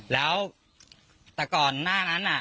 แล้วแต่ก่อนหน้านั้น